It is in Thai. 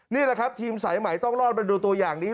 นี่แหละครับทีมสายใหม่ต้องรอดมาดูตัวอย่างนี้